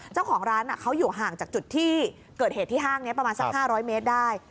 เจ้าของร้านเขาอยู่ห่างจากจุดที่เกิดเหตุที่ห้างนี้ประมาณสัก๕๐๐เมตรได้